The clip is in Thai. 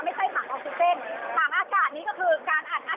เมื่ออัดเข้าไปแล้วนะคะ